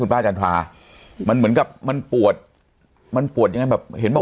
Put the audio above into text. คุณป้าอาจารย์ภาร่ามันเหมือนกับมันปวดมันปวดยังไงแบบเห็นแต่